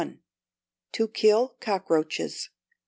To Kill Cockroaches.